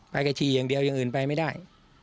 กับฉี่อย่างเดียวอย่างอื่นไปไม่ได้